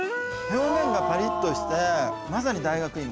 表面がパリッとしてまさに大学芋。